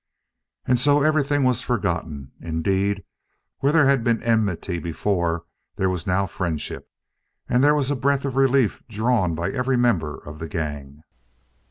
And so everything was forgotten. Indeed, where there had been enmity before, there was now friendship. And there was a breath of relief drawn by every member of the gang.